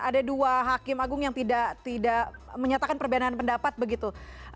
ada dua hakim agung yang tidak menyatakan perbedaan pendapat begitu